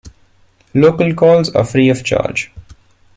Local calls are free of charge.